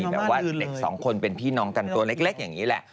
แบบว่าเด็กสองคนเป็นพี่น้องกันตัวเล็กอย่างนี้แหละ